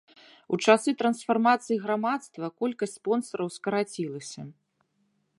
У часы трансфармацыі грамадства колькасць спонсараў скарацілася.